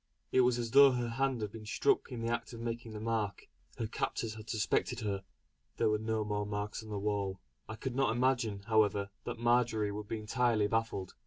It was as though her hand had been struck in the act of making the mark. Her captors had suspected her. There were no more marks on the wall. I could not imagine, however, that Marjory would be entirely baffled.